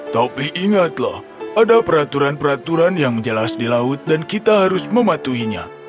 tapi ingatlah ada peraturan peraturan yang jelas di laut dan kita harus mematuhinya